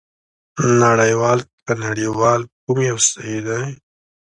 نړۍوال که نړیوال کوم یو صحي دی؟